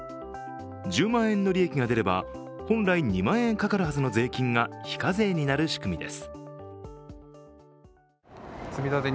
１０万円の利益が出れば本来２万円かかるはずの税金が非課税になる仕組みです。